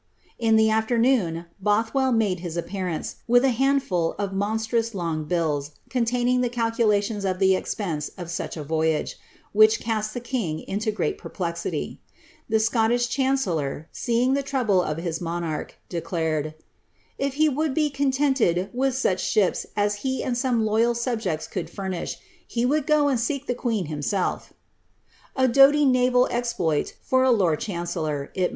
In the afternoon, Bothwell made his appearance, with a hand ful of moJistrous long hills, containing the calcniaiions of the expense i^i such a voyage, which cast the king into great perplexity. The Scotii h chiincellor, seeing the trouble of his monarch, declared, " if he would be ciiiiK ntcd with such shijis as he atid some other loyal subjects could furnish, he would go and seek the queen himselt"" — a doughty tiaval exploit for a lord chancellor, it must be owned.